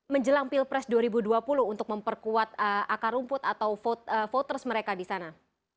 menjelang pilpres dua ribu dua puluh untuk memperkuat akar rumput atau voters mereka di sana